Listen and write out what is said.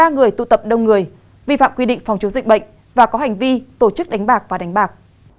ba người tụ tập đông người vi phạm quy định phòng chống dịch bệnh và có hành vi tổ chức đánh bạc và đánh bạc